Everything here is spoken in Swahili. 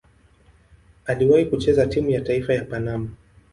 Aliwahi kucheza timu ya taifa ya Panama.